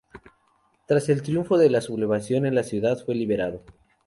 Tras el triunfo de la sublevación en la ciudad fue liberado.